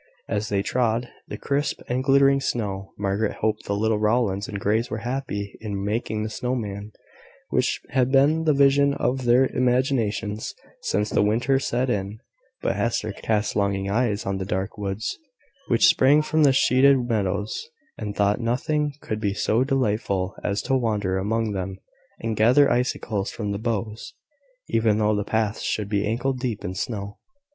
As they trod the crisp and glittering snow, Margaret hoped the little Rowlands and Greys were happy in making the snow man which had been the vision of their imaginations since the winter set in: but Hester cast longing eyes on the dark woods which sprang from the sheeted meadows, and thought nothing could be so delightful as to wander among them, and gather icicles from the boughs, even though the paths should be ankle deep in snow.